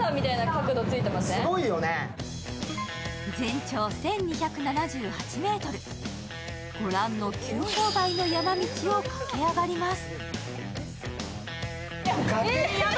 全長１２７８ｍ、ご覧の急勾配の山道を駆け上がります。